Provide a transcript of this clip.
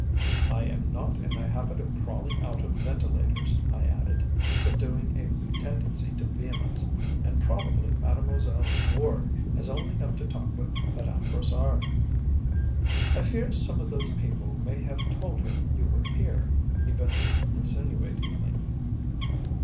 "I am not in the habit of crawling out of ventilators," I added, subduing a tendency to vehemence. "And probably Mademoiselle Ward has only come to talk with Madame Brossard." "I fear some of those people may have told her you were here," he ventured insinuatingly.